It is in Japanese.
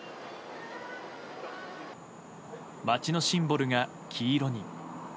街のシンボルが黄色に。